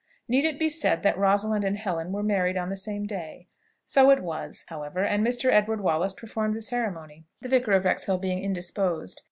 Need it be said that Rosalind and Helen were married on the same day? So it was, however; and Mr. Edward Wallace performed the ceremony, the Vicar of Wrexhill being indisposed.